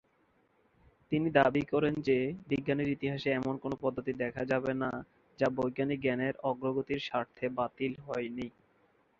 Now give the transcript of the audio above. তিনি দাবি করেন যে বিজ্ঞানের ইতিহাসে এমন কোন পদ্ধতি দেখা যাবে না যা বৈজ্ঞানিক জ্ঞানের অগ্রগতির স্বার্থে বাতিল হয়নি।